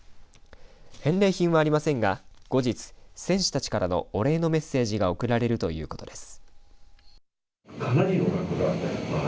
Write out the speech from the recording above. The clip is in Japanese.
返礼品はありませんが後日、選手たちからのお礼のメッセージが送られるということです。